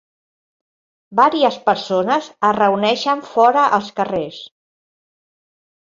Vàries persones es reuneixen fora als carrers.